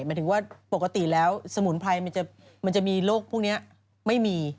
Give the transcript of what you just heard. หมายถึงว่าปกติแล้วสมุนไพรมันจะมีโรคพวกนี้ไม่มี